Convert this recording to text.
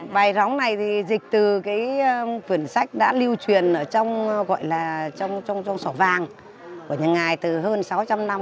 bài róng này thì dịch từ quyển sách đã lưu truyền ở trong sổ vàng của nhà ngài từ hơn sáu trăm linh năm